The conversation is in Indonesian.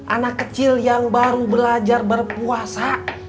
anak kecil yang baru belajar berpuasa